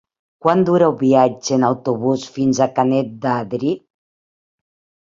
Quant dura el viatge en autobús fins a Canet d'Adri?